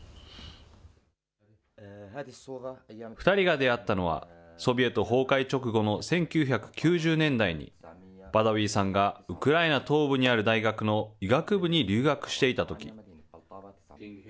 ２人が出会ったのはソビエト崩壊直後の１９９０年代にバダウィさんがウクライナ東部にある大学の医学部に留学していたとき。